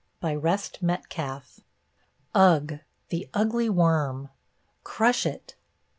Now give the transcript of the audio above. _) REST METCALF. Ugh! The ugly worm! Crush it!